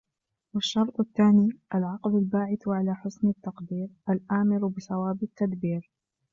وَالشَّرْطُ الثَّانِي الْعَقْلُ الْبَاعِثُ عَلَى حُسْنِ التَّقْدِيرِ ، الْآمِرُ بِصَوَابِ التَّدْبِيرِ